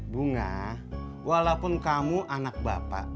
bunga walaupun kamu anak bapak